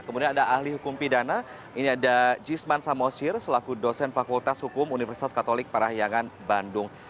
kemudian ada ahli hukum pidana ini ada jisman samosir selaku dosen fakultas hukum universitas katolik parahyangan bandung